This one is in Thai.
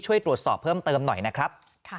ช่วยตรวจสอบเพิ่มเติมหน่อยนะครับ